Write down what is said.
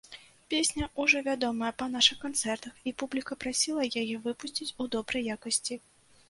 Песня ўжо вядомая па нашых канцэртах, і публіка прасіла яе выпусціць у добрай якасці.